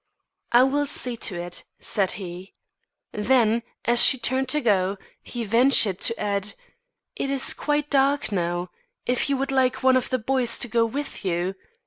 "I will see to it," said he. Then, as she turned to go, he ventured to add, "It is quite dark now. If you would like one of the boys to go with you